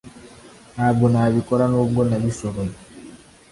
Ntabwo nabikora nubwo nabishoboye